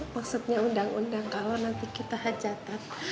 maksudnya undang undang kalau nanti kita hajatan